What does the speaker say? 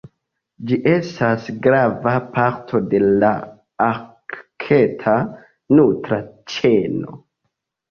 Ĝi estas grava parto de la arkta nutra ĉeno.